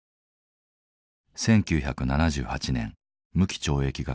１９７８年無期懲役が確定。